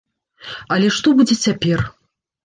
Але што будзе цяпер?